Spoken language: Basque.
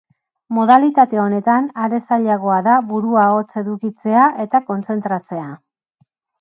Modalitate honetan are zailagoa da burua hotz edukitzea eta kontzentratzea.